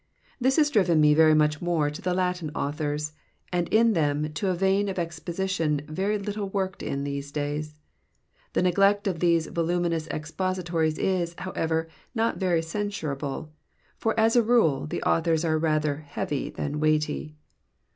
This has driven me very much more to the Latin authors, and in them to a vein of exposition very little worked in these days. The neglect of these voluminous expositors is, however, not very censurable, for as a rule the authors are rather heavy than weighty.